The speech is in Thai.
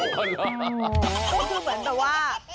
ก็คือเหมือนแบบว่า